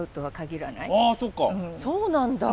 そうなんだ。